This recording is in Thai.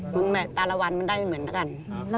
แต่ละวันมันได้เหมือนกัน